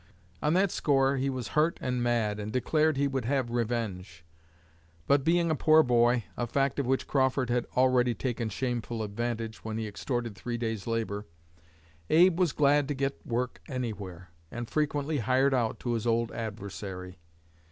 On that score he was hurt and mad, and declared he would have revenge. But being a poor boy, a fact of which Crawford had already taken shameful advantage when he extorted three days' labor, Abe was glad to get work anywhere, and frequently hired out to his old adversary.